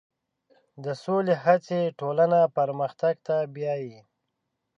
د سولې هڅې ټولنه پرمختګ ته بیایي.